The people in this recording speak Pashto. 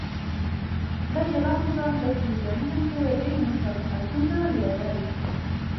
دا جلا نظام له فیوډالېزم سره ډېر مشابهتونه لرل.